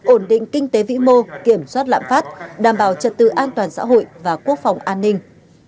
ổn định kinh tế vĩ mô kiểm soát lãm phát đảm bảo trật tự an toàn xã hội và quốc phòng an ninh